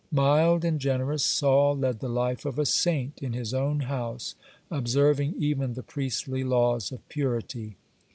Mild and generous, Saul led the life of a saint in his own house, observing even the priestly laws of purity.